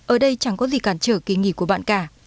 ở đây chẳng có gì cản trở kỳ nghỉ của bạn cả